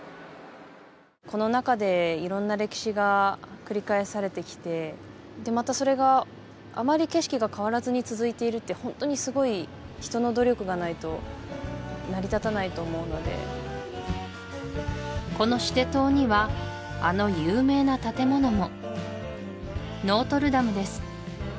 この中で色んな歴史が繰り返されてきてでまたそれがあまり景色が変わらずに続いているってホントにすごい人の努力がないと成り立たないと思うのでこのシテ島にはあの有名な建物もノートルダムです